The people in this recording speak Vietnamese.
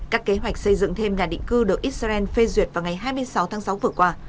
các kế hoạch xây dựng thêm nhà định cư được israel phê duyệt vào ngày hai mươi sáu tháng sáu vừa qua